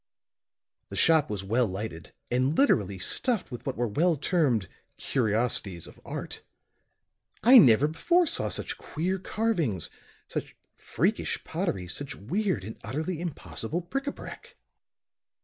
"This shop was well lighted, and literally stuffed with what were well termed 'curiosities of art.' I never before saw such queer carvings, such freakish pottery, such weird and utterly impossible bric a brac.